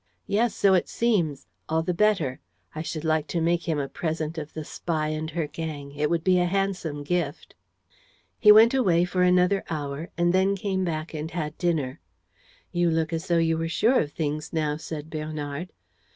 "Yes, so it seems. All the better. I should like to make him a present of the spy and her gang. It would be a handsome gift." He went away for another hour and then came back and had dinner. "You look as though you were sure of things now," said Bernard.